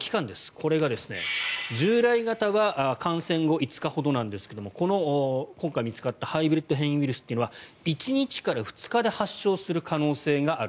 これが従来型は感染後５日ほどなんですがこの今回見つかったハイブリッド型変異ウイルスは１日から２日で発症する可能性がある。